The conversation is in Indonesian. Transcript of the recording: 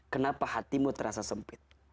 kenapa hatimu terasa sempit